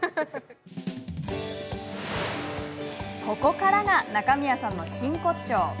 ここからが中宮さんの真骨頂。